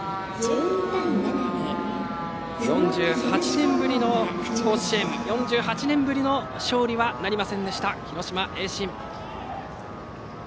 ４８年ぶりの甲子園４８年ぶりの勝利はなりませんでした広島・盈進。